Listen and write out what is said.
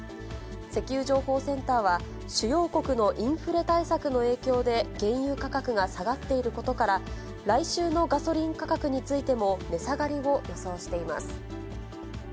石油情報センターは、主要国のインフレ対策の影響で、原油価格が下がっていることから、来週のガソリン価格についても値下がりを予想しています。